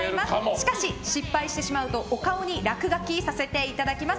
しかし、失敗してしまうとお顔に落書きさせていただきます。